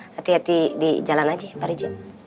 hati hati dijalan aja pak rija